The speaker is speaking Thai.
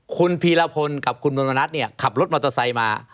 จตุพรกับคุณบรมนัสเนี่ยขับรถมอเตอร์ไซค์มา